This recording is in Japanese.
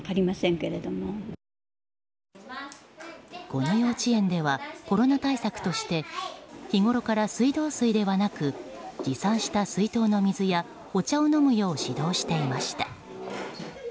この幼稚園ではコロナ対策として日ごろから水道水ではなく持参した水筒の水やお茶を飲むよう指導していました。